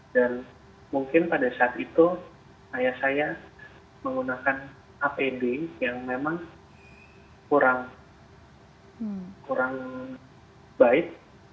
dan mungkin pada saat itu ayah saya menggunakan apd yang memang kurang baik